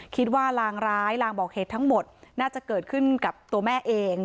คิดว่าลางร้ายลางบอกเหตุทั้งหมดน่าจะเกิดขึ้นกับตัวแม่เอง